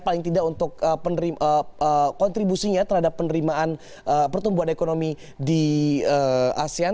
paling tidak untuk kontribusinya terhadap penerimaan pertumbuhan ekonomi di asean